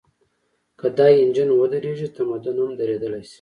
که دا انجن ودرېږي، تمدن هم درېدلی شي.